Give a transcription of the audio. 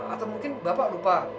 atau mungkin bapak lupa